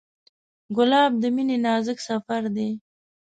ګلاب د مینې نازک سفر دی.